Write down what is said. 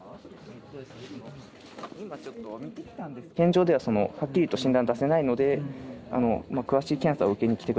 現状でははっきりと診断出せないのでまあ詳しい検査を受けに来て下さいということで。